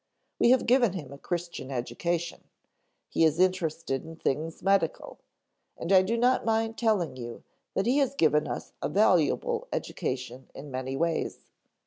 We have given him a Christian education, he is interested in things medical; and I do not mind telling you that he has given us a valuable education in many ways."